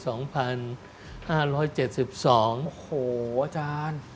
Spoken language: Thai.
โอ้โหอาจารย์